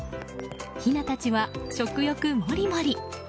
ヒナたちは食欲もりもり。